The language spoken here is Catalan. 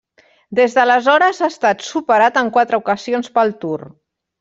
Des d'aleshores ha estat superat en quatre ocasions pel Tour.